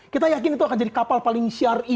kita yakin itu akan jadi kapal paling syariah